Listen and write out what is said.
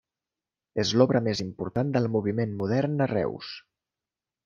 És l'obra més important del moviment modern a Reus.